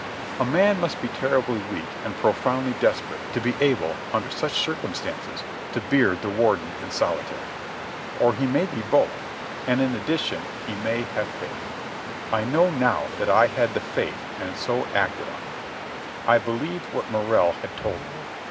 A man must be terribly weak and profoundly desperate to be able, under such circumstances, to beard the Warden in solitary. Or he may be both, and, in addition, he may have faith. I know now that I had the faith and so acted on it. I believed what Morrell had told me.